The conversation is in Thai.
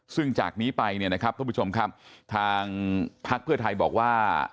ซึ่งจากนี้ไปเนี่ยนะครับทุกผู้ชมครับทางพักเพื่อไทยบอกว่า